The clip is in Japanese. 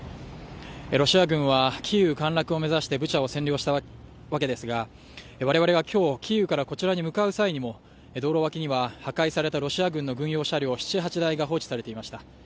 ロシア軍はキーウ陥落を目指してブチャを占領したわけですが、我々が今日キーウからこちらに向かう際にも道路脇には破壊されたロシア軍の軍用車両７８台が放置されていました。